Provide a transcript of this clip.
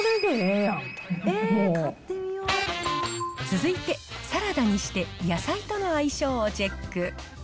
続いて、サラダにして野菜との相性をチェック。